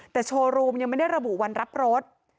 แต่โชว์รูมยังไม่ได้ระบุวันรับรถ